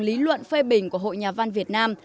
lý luận phê bình của hội nhà văn việt nam